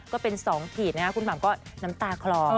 ก็เป็น๒ขีดนะครับคุณหม่ำก็น้ำตาคลอ